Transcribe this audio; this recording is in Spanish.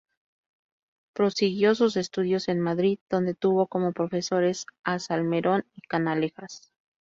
Prosiguió sus estudios en Madrid, donde tuvo como profesores a Salmerón y Canalejas.